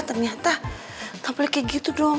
ternyata nggak boleh kayak gitu dong